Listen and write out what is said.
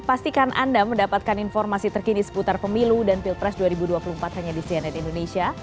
pastikan anda mendapatkan informasi terkini seputar pemilu dan pilpres dua ribu dua puluh empat hanya di cnn indonesia